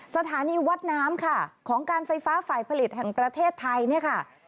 สถานีวัดน้ำค่ะของการไฟฟ้าฝ่ายผลิตแห่งประเทศไทยเนี่ยค่ะ